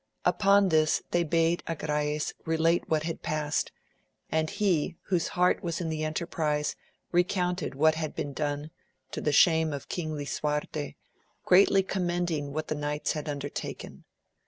Upon this they bade Agrayes relate what had passed, and be whose heart was in the enterprize recounted what had been done, to the shame of King Lisuarte, greatly commending what the knights had undertaken.